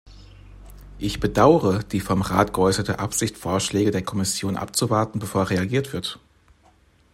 Ich bedauere die vom Rat geäußerte Absicht, Vorschläge der Kommission abzuwarten, bevor reagiert wird.